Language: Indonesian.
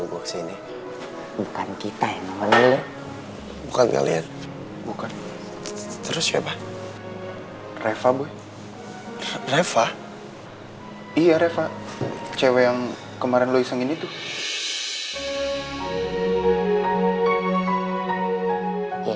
kau malah luar biasa